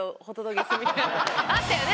あったよね？